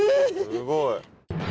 すごい！